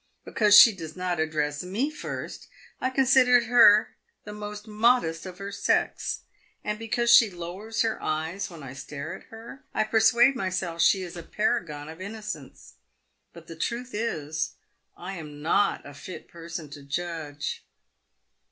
Because she does not address me first, I consider her the most modest of her sex, and because she lowers her eyes when I stare at her, I persuade myself she is a paragon of innocence. But the truth is, I am not a fit person to judge."